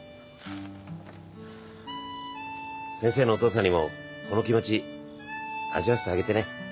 先生のお父さんにもこの気持ち味わわせてあげてね。